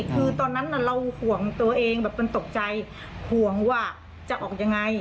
คือตอนนั้นเราห่วงตัวเองแบบมันตกใจห่วงว่าจะออกยังไง